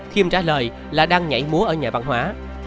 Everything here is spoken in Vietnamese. khiêm trả lời là đang nhảy múa ở nhà văn hóa